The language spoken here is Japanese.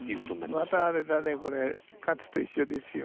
またあれだねこれ勝と一緒ですよ。